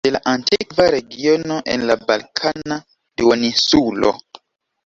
De la antikva regiono en la Balkana Duoninsulo.